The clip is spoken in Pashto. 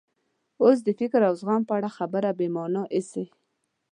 اوس د فکر او زغم په اړه خبره بې مانا ایسي.